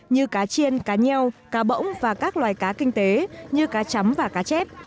như cá chiên cá nheo cá bỗng và các loài cá kinh tế như cá chấm và cá chép